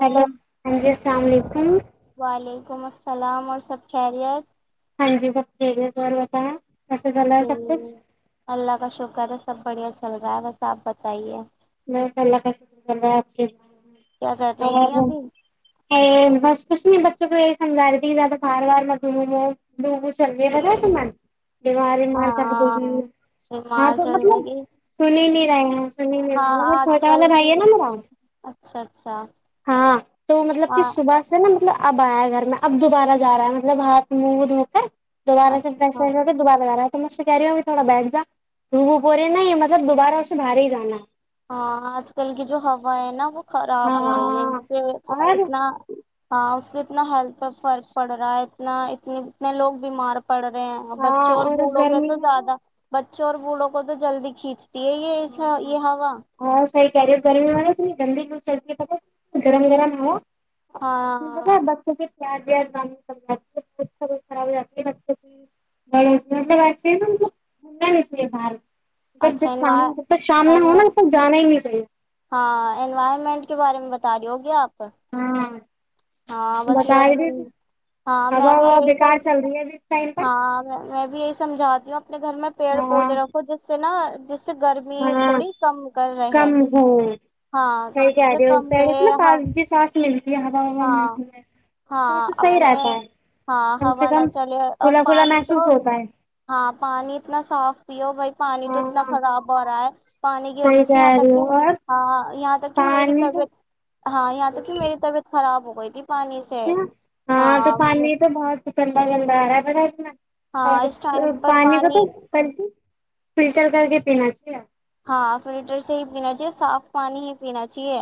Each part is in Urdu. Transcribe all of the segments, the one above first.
ہلو ہاں جی السلام علیکم ولیکم السلام اور سب خیریت ہاں جی سب ہے کو بتا ہے جی سب کچھ اللہ کا شکر ہے سب بڑھیا چل رہا ہے بس آپ بتائیے میںس اللہ کا شکر کر رہا ہے آپ کے کیا کر رہی تھی اور ابھی بس کچھ نہیں بتا س سمجا رہ ت فار وار م مو ڈو سرے برا س م دیوار مار کر گ ہاں ہاں بیمار تو چل رہے مطلب گی سن ہی نہیں رہے ہیں سنی نہیں ہاں آج چھوٹا والا کل بھائی کی ہے نا میرا اچھا اچھا ہاں تو مطلب کہ ہاں صبح سے نا مطلب اب آیا گھر میں اب دوبارہ جا رہا ہے مطلب ہاتھ منہ دھو کر دوبارہ اچھا سے دوبارہ [unintelligible] تمجھ سے کہہ رہی ہو ا تھوڑا بیٹھ جا دو بور رہی نہیں مطلب دوبارہ اسے باہر ہی جانا ہے ہاں آج کل کی جو ہوا ہے نا وہ خراب ہو رہی ہے اس ہاں سے اور اتنا ہاں اس سے اتنا ہیلتھ پہ فرق پڑ رہا ہے اتنا اتنے اتنے لوگ بیمار پڑھ رہے ہیں ہاں بچوں اور بوڑھوں پہ گرمی تو میں زیادہ چور بوڑوں کو تو جلدی کھینچ یہ یہ ایسا یہ ہ ہوا ہ سیح کہہ رہی گرمی وال ت گندی د س گرم گرم ہو اس ہاں تو بچوں کے س خراب جات ف کی بڑ مطلب مننا نسلی بار [unintelligible] ب اچھا ج انوا شام جب تک شام میں انو ہوناا تب تک جانا ہی ملتا سی ہاں انوائرمنٹ کے بارے میں بتا رہ ہوگے آپ ہاں ہاں بس یہ بتائے س بھی ہاں ہوا میں بھی ہوا یہی بیکار سم چل رہی ہے ابھی اس ٹائم پر ہاں میں بھی یہی سمجھا ج دوں اپنے گھر میں پیڑ ہاں پودے رکھو جس سے نا جس سے گرمی ہاں تھوڑی کم کر رہے کم ہو ہاں صحیح اس کہہ سے رہے ہو کم پیڑوں سے نا رہے تازگی سانس ملتی ہے ہوا ہوا ہاں ملتی ہے تو اس ہاں سے صحیح اپنے رہتا ہے ہاں کم سے ہوا نہ کم چلے اور کھلا کھلا پانی محسوس تو ہوتا ہے ہاں پانی اتنا صاف پیو بھائی پانی تو اتنا ہاں خراب ہو رہا ہے پانی کی صحیح وجہ سے یہاں کہہ رہی تک کہ ہو اور ہاں یہاں تک کہ میری پانی تو طبیعت ہاں یہاں تک کہ میری طبیعت خراب ہو گئے پانی سے اچھا ہاں وہ سکندا گہ آر بڑا ہے نا ہاں اس اور ٹائم پر پانی کا تو خ فلٹر کر کے پینا چاہیے ہاں فلٹر سے ہی پینا چاہیے صاف پانی ہی پینا چاہیے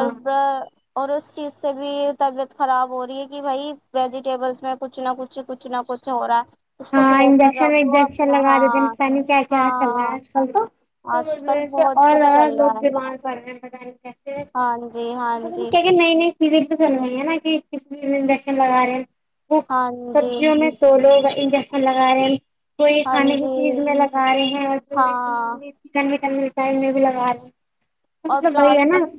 ہاں بر اور اس چیز سے بھی طبیعت خراب ہو رہی ہے کہ بھائی ویجیٹیبلس میں کچھ نہ کچھ کچھ نہ کچھ ہو رہا ہے اس کو ہاں دھو کر انجیکشن رکھو وجیکشن اپنا لگا دیتے ہیں ہاں پ نہیں کیا کیا ہاں چل رہا ہے آج کل تو تو آج اس کل وجہ سے بہت اور کچھ زیادہ چل رہا لوگ ہے بیمار پڑ پ ب ہاں جی ہاں جی ز توس ہےا کہ کزج لگا رہے وہ ہاں جی سبزیوں میں تو لوگ انجیکشن لگا رہے ہیں کوئی ہاں کھانے کی جی چیز میں لگا رہے ہیں اور جو ایک ہاں نان ویج چکن س نہیں اور نا پلاسٹک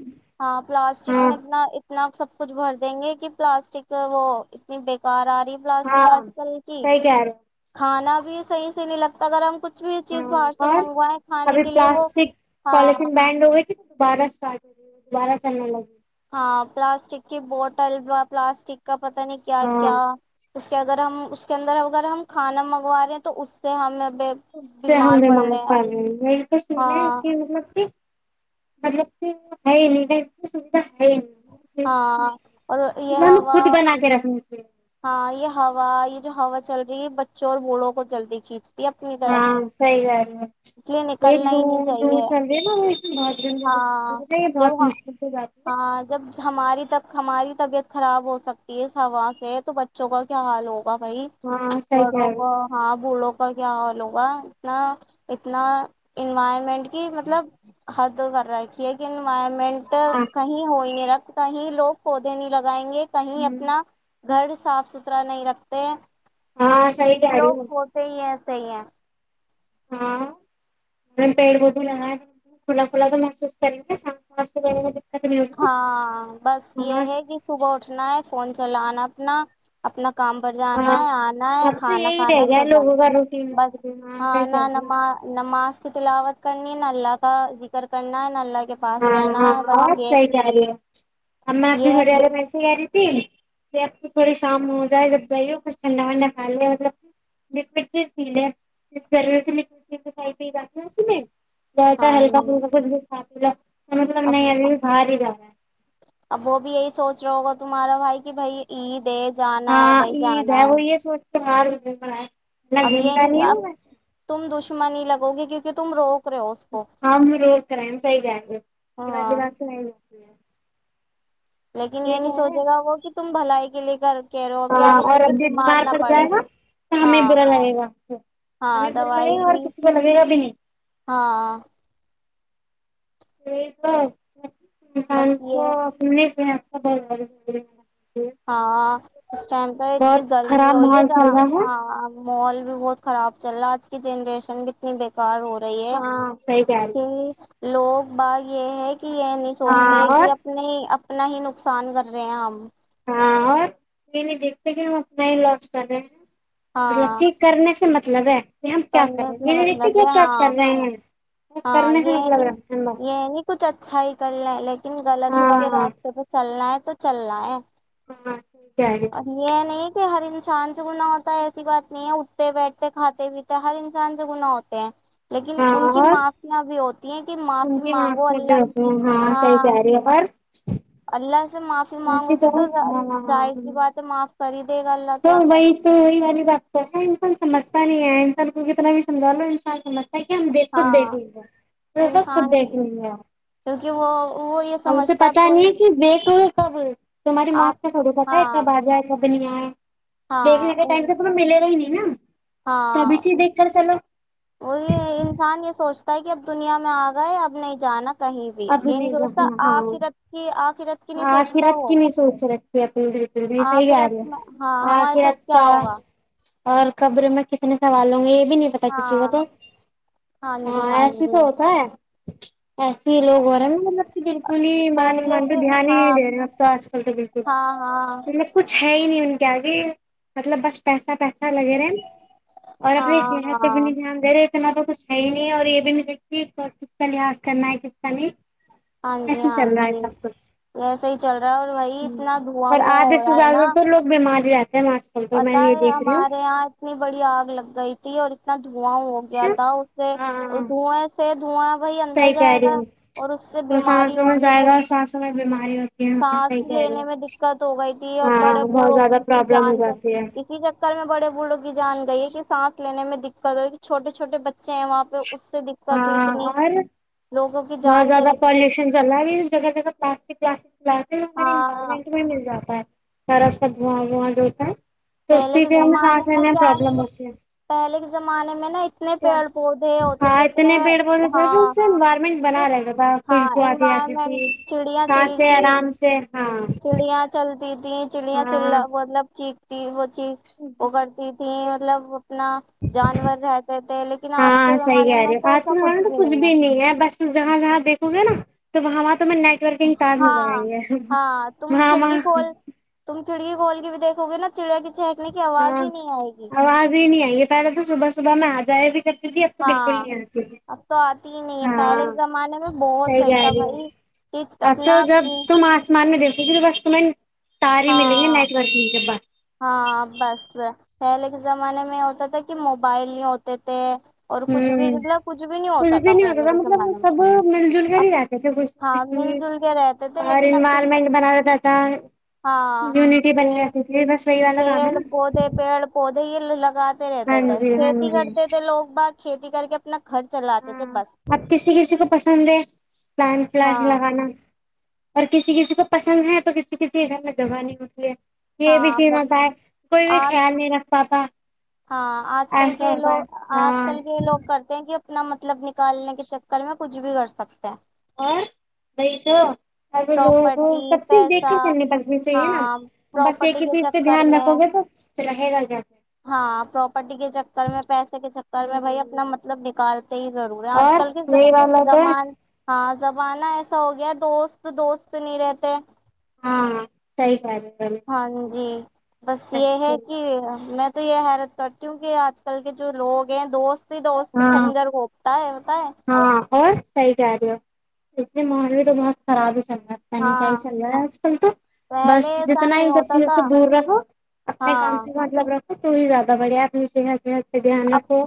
ہاں پلاسٹک ہاں میں اتنا اتنا سب کچھ بھر دیں گے کہ پلاسٹک وہ اتنی بیکار آ رہ پلاسٹک ہاں آج کل کی صحیح کہہ رہے ہو کھانا بھی صحیح نہیں لگتا گرم کچھ کچھ بھی چیز ہاں باہر سے منگوائےیں کھانے کے لیے وہ کالن ہاں بینڈ ہوئے دوبارہ اسٹارٹ ہو دوبارہ چلنے لگ گے ہاں پلاسٹک کی بوٹل ب پلاسٹک پت نہیں کیا ہاں کیا اس کے اگر ہم اس کے اندر اگر ہم کھانا منگوا رہے ہیں تو اس سے ہمیں اس سے بیمار پڑ رہے ہیں ححمدم میں تو سننا ہے ہاں کہ مطلب کہ مطلب کہ ہےم کی سھا ہاں اور یہ ہمیں ہوا خود بنا کے رکھنی چاہیے ہاں یہ ہوا یہ جو ہوا چل رہی ہے بچوں اور بوڑھوں کو جلدی کھینچتی ہے اپنی طرف ہاں سی گال ہے اس لیے یہ ل نکلنا ہی نہیں ل چاہیے چل رہی نا وہ اس میں بہت گندی لگ ہاں یہ جب بہت مشکل سے جاتی ہے ہاں جب ہماری تب ہماری طبیعت خراب ہو سکتی ہے اس ہوا سے تو بچوں کا کیا حال ہو بائی ہاں صحیح کہہ رہی بڑک ہو ہاں بولک کا کیاال ہوگا اتنا اتنا انوائرمنٹ کی مطلب حد کر رکھی ہے کہ ورمنٹ ہاں کہیں ہوئی نہیں رکھ ات ہی لوگ پودے نہیں لگائیں گے کہیں اپنا گھر صاف ستھرا نہیں رکھتے ہاں صحیح کچھ کہہ رہی لوگ ہو ہوتے ہی ہیںس ہی ہیں ہاں پڑ گب لگا ج فلا فلا تو محسوس کر س ہاں بس یہ ہے کہ صبح اٹھنا ہے فون چلان اپنا اپنا کام پر جانا ہاں ہے آنا ہے اب تو کھانا یہی رہ کھانا گیا سو جانا لوگوں کا روٹین بس ہاں صحیح ن کہہ رہی ہو نماز نماز تلاوت کرنی ہے نلہ کا ذکر کرنا ہے نلہ ہاں ہاں اور ہی جا رہی ہے اا آبھی یہ تھڑی والے میںیسے ب تھوڑی شام میں ہو جائے جب جائیے کچھ ٹھنڈاھنڈا پھا لے مطلب لوڈ چیز پی لے وریڈیز کھائی پی جاتی اسی لیے ج تھا ہے ہاں ہلک فلکا کر ہاںیر مطلب نہیں اب باہر ہی رہا ا اب وہ بھی یہی سوچ رہا ہوگا تمہارا بھائی کہ بھائی عید ہےید جانا ہے بائی جانا ہے تمارے ب ا گمتا نہیں گس مانی لگو گی کیونکہ تم روک رہے ہو اس کو ہاں ب روز کرائ صحی کہیں گ ہاں والس لیکن یہ نہیں سوچے گا وہ کہ تم بھلائی کےے گھر ہاں اور اب ج بیمار پڑ جائے گا تو ہمیں ہاں برا لگے گا ہاں ہمیں برا دوائی لگے گا اور بھی کسی کو لگے گا بھی نہیں ہاں یہ تو انسان بس کو یہ اپنے سے ب ہاں اس ٹائم پہ اتنی بہت گرمی خراب ہو رہی ہے ماحول تھا چل رہا ہے ہاں مال بھی بہت خراب چل رہا آج کی جنریشن کتنی بےیکار ہو رہ ہاں صحیح کہہ رہی ہوں لوگ باغ یہ ہے کہ یہ نہیں سوچتے ہاں اور کہ اپنے اپنا ہی نقصان کر رہے ہیں ہم ہاں اور یہ نہیں دیکھتے کہ ہم اپنا ہی لوس کر رہے ہیں مطلب ہاں کہ کرنے سے مب مطلب ہے ہمپ کیا کر کرنے رہے ہیں سے میرے مطلب ہے کیاپ کر ہاں رہے ہیں کرنے سے مطلب اچھائی کر ل لائک غلط ہاں کے راستے پہ چلنا ہے تو چل رہا ہے ہاں ہاں صحیح کہہ رہی ہے، یہ نہیں کہ ہرن انسان سے گنااہ ہوتا ہے ایسی بات نہیں ہے اٹھتے بیٹھتے کھاتے پیتے ہر انسان سے گنا ہوتے ہیں لیکن ان ہاں کی اور معافیاں بھی ہوتی ہیں کہ ان کی معافی مانگو میں اللہ ر ہاں صحیح کہہ رہی ہے پر ہ اللہ سے معافی مانگو گے تو ہاں ظاہر سی بات ہے معاف کر ہی دے گا اللہ تو وہی تو وہی والی بات کر ہے کون سمج پتہ نہیں ہے انسان کو کتنا بھی سجھ لو انسان کو کہ ہم دیک خود دیکھ ہاں لیں گے سب انسان خود دیکھ لوں گے کیونکہ وہ وہ یہ ا اسے سمجھتا اب پتا نہیں دن ہے کہ دیکھ ل کب تمہاری آپ موت کا تھوڑے پتا ہے ہاں کب آ جائے کب بنیا ہے دیکھنے کے ٹائم سے ہاں تو ملے رہ ہی نہیں نا تبھی ہاں سے دیکھ کر چلو وہ یہ انسان یہ سوچتا کہ اب دنیا میں آ گئے ہے اب نہیں جانا کہیں بھی اب یہ نہیں سوچتا رکھنا آخرت ہاں کی آخرت کی نہیں سوچتا آخرت وہ کی نہیں سوچ رکھی اپنی بالکل بھی صحیح آ رہی آخرت ہے میں ہاں ہمارے ساتھ کیا ہوگا اورکبیر میں کتنے سوال ہوں گی بھی نہیں پتا کسی کو ہاں تو ہاں ایسے تو ہوتا ہے ہاں یہ لوگ ہو رہے نا مطلب کہ بالکل ہی مان پہلے مان تو کے دھیان ہی نہیں ہاں دے رہے ہیں اب تو آج کل تو بالکل ہاں ہاں مطلب کچھ ہے ہی نہیں کیا گے مطلب بس پیسا پیسا لگے رہے ہیں اور اپنی ہاں صحت پہ بھی ہاں نہیں دھیان دے رہے نا تو کچھ ہے ہی نہیں ہے اور یہ بھی م ستی کس کا لحاظ کرنا ہے کس کلی ہاں جی ہاں جی وسے ہی چل رہا ہے اور وہی اتنا دھواں اور مواں ہو آدھے سے رہا ہے نا زیادہ تو لوگ بیمار ہی رہتے ہیں آج کل تو میں پتا یہ ہے دیکھ رہی ہوں ہمارے یہاں اتنی بڑی آگ لگ گئی تھی اور دھواں ہو گیا اچھا تھا اس سے ہاں دھوئیں سے دھواں وہھی اندر صحیح کہہ جائے رہی گا ہوں اور اس سے بیماری ہوگی پھر ای سانس لینے میں دقت ہو گئی تھی اور ہاں بڑے بہت بوڑھوں زیادہ کی پرابلم ہو جان سے جاتی ہے اسی چکر میں بڑے بوڑھوں کی جان گئی ہے کہ سانس لینے میں دقت ہوئی چھوٹےھوٹے بچے بچے ہیں وہاں پہ اس سے دقت ہو ہاں اتنی اور لوگوں کی بہت جان زیادہ چلی گئی پالوشن چ رہا ہے جگہ جگہ پلاسٹ ج ہماراری ہاں انوائرمنٹ میں مل جاتا ہے سراف کا دھواں وواں جو ہوتا ہے تو پہلے اسی کے پہ ہمیں زمانے سانس میں لینے کیا ہے پرابلم ہوتی پہلے کے زمانے میں نا اتنے کیا پیڑ پودے ہوتے ہاں تھے اتنے پیڑ پودے تھے تو ہاں اس سے انوائرمنٹ پھر بنا رہے گ ب ہاں خوشبو آتی آتی انوائرمنٹ تھی س سے آرام سے ہاں چڑیاں چل سیتیھی چڑیاں چ ہاں مطلب چی ہو ی وہ کرتی یہ مطلب اپنا جانور رہتے تھے لیکن آج کے ہاں صحیح زمانے کہہ میں رہے ہو تو آج ایسا کل کچھ ہمارے تو بھی نہیں ہے بس جہاں جہاں دیکھو گے نا تو وہاں تو میں نیٹ ورکگتاب میں ہاں بنائی ہے ہاں وہاں گول کے بھی دھو گے نا چڑیا کی چہکنے کی آواز ہاں ہی نہیں آئے گی آواز ہی نہیں آئ گ ہے پہلے تو صبح صبح میں آ ج بھی ک اب تو بالکل ہاں نہیں آتی اب تو آتی ہی نہیں ہے ہاں پہلے کے زمانے میں بہت صحی صحیح تھا ہے بھائی کہ اب تو اپنا جب تم آسمان میں دیکھتی تھی تو بس ت ساری ملیں گی ہاں نیٹ ورکنگ کے بع ہاں بس پہلے کے زمانے میں ہوتا تھا کہ موبائل نہیں ہوتے تھے اور ہ کچھ بھی مطلب کچھ بھی نہیں کچھ ہوتا بھی نہیں ہوتا پہلے تھا کے مطلب زمانے میں سب مل جل کر اب ہی رہتے تھے ہاں خش مل جل کے رہتے تھے اور لیکن اب کے انوائرمنٹ بنا رہتا ہاں تھامیونٹی بنی پے- رہتی تھی بس وہی والا کام ہے پیڑ نا پوڑے پیڑ پوڑے دی لگات ہاں رہتا جی ہاں کھیتی جی کرتے تھے لوگ با کھیتی کر کے اپنا گھر چلاتے تھے ہاں بس آپ کسی کسی کو پسند ہے پلان ہاں پلاز لگانا اور کسی کسی کو پسند ہے تو کسی کسی کے گھر میں دوگا نہیں ہوتی ہے یہ بھی ہاں بس چمتا ہے کوئی بھی آج خیال نہیں رکھ پاتا ہاں آج کل کے ایسا ہوتا ہے لوگ آج ہاں کل کے لوگ کرتے ہیں کہ نم مطلب نکالنے کے چکر میں کچھ بھی کر سکتے ہیں اور وہی تو اب لوگوں کو پراپرٹی سب چیز دیکھ پیسہ کر چلنی پڑنی چاہیے نا ہاں بس پراپرٹی ایک ہی کے چیز پہ چکر دھیان میں رکھو گے تو رہے گا کیا ہاں پراپرٹی کے چکر میں پیسے کے چکر پھر، میں بھائی اپنا مطلب نکالتے ہی ضرور ہے آج اور کل کے یہی والا تو زمان ہاں زمانہ ایسا ہو گیا دوست تو دوست نہیں رہتے ہاں سی پار ہاں جی بس یہ ہے ہو کہ میں تو یہ حیرت کرتی ہوں کہ آج کل کے جو لوگ ہیں دوست دوست ہاں خنجر گھپتا ہے ہوتا ہے ہاں اور صحیح کہہ رہی ہو اس لیے ماحول بھی تو بہت خراب ہی چا پتا نہیں کیا ہاں ہی چل رہا ہے آج کل تو پہلے بس ایسا جتنا ہے نہیں ان سب ہوتا چیزوں تھا سے دور رکھو اپنے کام ہاں سے مطلب رکھو تو ہی زیادہ بڑھیا اپ نےح پہ دھیان اب رکھو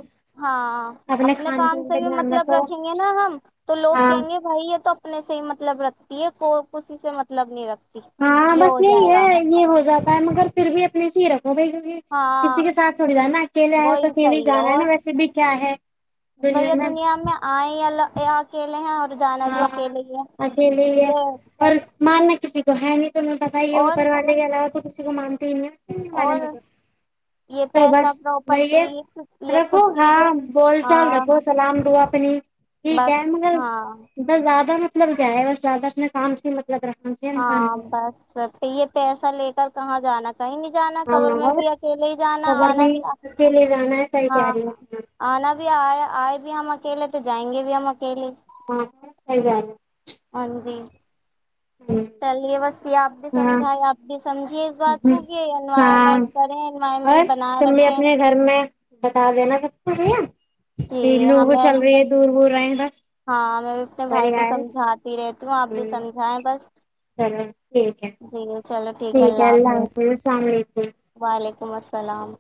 اپنے کھان پین پہ دھیان رکھو دکھیں گے نا ہم تو لوگ ہاں کہیں گے بھائی یہ تو اپنے سے ہی مطلب رکھتی ہے کوئی کسی سے مطلب نہیں رکھتی ہاں یہ بس ہو یہی جائے گا ہے یہ ہو جاتا ہے مگر پھر بھی اپنے سے ہی رکھ ہو بھائی کیونکہ کسی ہاں کےاتھ تھوڑی جا نا اکیلے آئے تو وہی اکیل ہی صحیح جانا ہے اور نا ویسے بھی کیا ہے بھیا دنیا میں آئے الگ یہ اکیلے ہیں اور جانا بھی ہاں اکیلے ہی ہے اکیلیے ہی ہے یہ اور ماننا ک تو ہے ن تو میں بائی یہ ابر اور والے گلا ہو تو کو مانتی ہیں ن ے اور م یہ تو بس پیسہ میں پراپرٹی یہ یہ رکھو کچھ ہاں چیزیں بول چال ہاں رکھو سلام دا اپنی ٹھیک ہے بس مگر ہاں ا زیادہ م مطلب کیا ہے بس زیادہ اپنے کام سے مطلب رکھنا چاہیے انسان ہاں کو بس پ یہ پیسہ لے کر کہاں جانا کہیں نہیں جانا کبور ہاں میں اور بھی اکیلے ہی جانا خبر آنا میں بھی کے لیے جانا ہے صحیح کہہ ہاں رہی ہے آنا بھی آئے آئے بھی ہم اکیلے تو جائیں گ بھی ہم کے ہاں صحیح کہہ انی آپ بھی ہ ہاں سمجھائیے آپ بھی سمجھیے اس بات کو کہ ہاں انوائرمنٹ کریں اور انوائرمنٹ بنائے تم بھی رکھیں اپنے گھر میں بتا دینا سکتے بھیا جی کہ لوگو ہمیں چل بھی رہی ہے بس دور دور رہے ہیں بس ہاں میں بھی اپنے بھائی کو بڑھیا ہے سمجھاتی رہتی ہوں آپ بھی سمجھائیں بس اف [unintelligible] چلو ٹھیک ہے ٹھیک ہے اللہ حافظ السلام علیکم علکم السلام